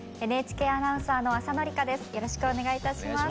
ＮＨＫアナウンサーの浅野里香です。